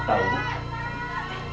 gak tahu pak